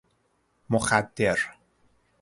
مخدر